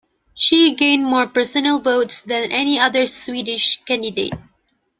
She gained more personal votes than any other Swedish candidate.